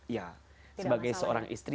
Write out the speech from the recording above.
ya sebagai seorang istri